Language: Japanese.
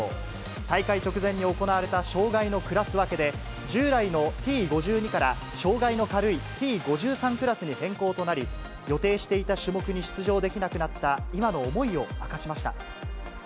大会直前に行われた障がいのクラス分けで、従来のＴ５２から、障がいの軽いＴ５３クラスに変更となり、予定していた種目に出場できなくなった今の思いを明かしました。